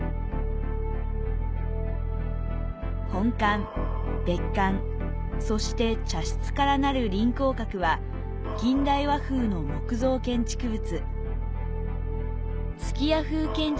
本館、別館、そして茶室からなる臨江閣は、近代和風の木造建築物。